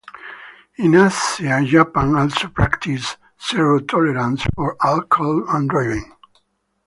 In Asia, Japan also practices zero-tolerance for alcohol and driving.